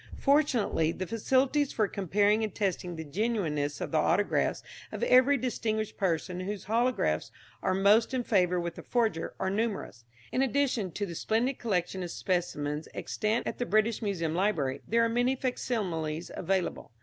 Fortunately the facilities for comparing and testing the genuineness of the autographs of every distinguished person whose holographs are most in favour with the forger, are numerous. In addition to the splendid collection of specimens extant at the British Museum Library, there are many facsimiles available.